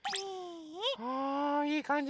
はあいいかんじ